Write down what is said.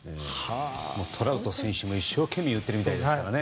トラウト選手も一生懸命言っているみたいです。